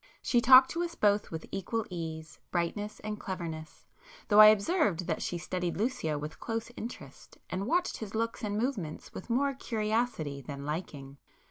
She talked to us both with equal ease, brightness and cleverness, though I observed that she studied Lucio with close interest, and watched his looks and movements with more curiosity than liking.